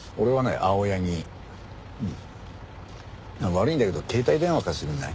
悪いんだけど携帯電話貸してくんない？